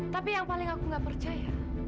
tapi yang paling aku nggak percaya